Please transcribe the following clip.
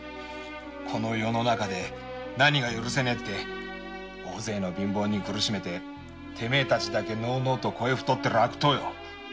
この世で何が許せねえって大勢の貧乏人を苦しめててめえたちだけ肥え太っている悪党よ！